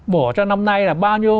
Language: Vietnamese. bổ cho năm nay là bao nhiêu